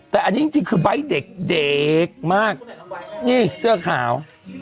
แต่อันนี้จริงคือใบ้เด็กมากนี่เสื้อขาว